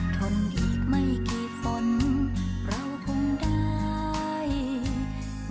ทนอีกไม่เก็บฝนเราคงได้มีกิน